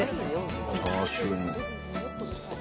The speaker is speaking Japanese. チャーシューも。